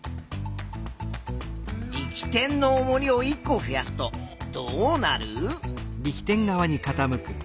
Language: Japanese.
力点のおもりを１個増やすとどうなる？